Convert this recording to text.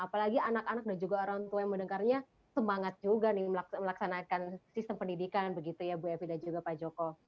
apalagi anak anak dan juga orang tua yang mendengarnya semangat juga nih melaksanakan sistem pendidikan begitu ya bu evi dan juga pak joko